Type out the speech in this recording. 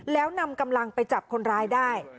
แล้วนำกำลังไปจับคนร้ายได้